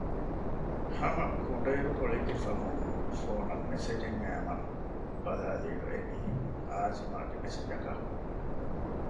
ހަމަ ކުޑައިރުކޮޅެއްގެ ފަހުން ފޯނަށް މެސެޖެއް އައިމާ ބަލައިލިއިރު އެވީ އާޒިމާގެ މެސެޖަކަށް